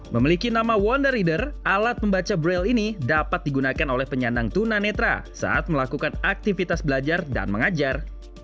memiliki nama wonder reader alat pembaca braille ini dapat digunakan oleh penyandang tuna netra saat melakukan aktivitas belajar dan mengajar